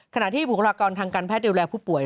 ขณะที่บุคลากรทางการแพทย์ดูแลผู้ป่วย